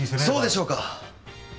そうでしょうか？